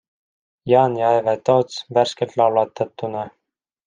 Jaan ja Eve Toots värskelt laulatatuna!